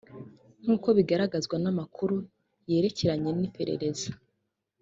nkuko bigaragazwa n’amakuru yerekeranye n’iperereza